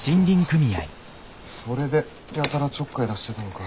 ああそれでやたらちょっかい出してたのか。